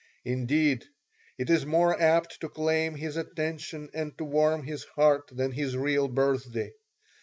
Indeed, it is more apt to claim his attention and to warm his heart than his real birthday.